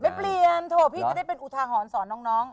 ไม่เปลี่ยนโถ่พี่ก็ได้เป็นอุทาหอนสอนน้อง